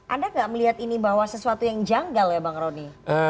anda nggak melihat ini bahwa sesuatu yang janggal ya bang roni